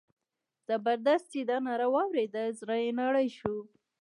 زبردست چې دا ناره واورېده زړه یې نری شو.